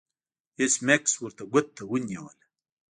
ایس میکس ورته ګوته ونیوله